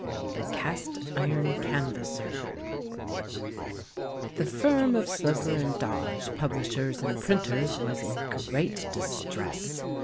THE CAST IRON CANVASSER The firm of Sloper and Dodge, publishers and printers, was in great distress.